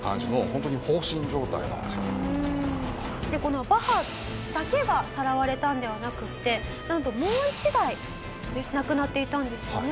本当にこのバハだけがさらわれたのではなくてなんともう１台なくなっていたんですよね。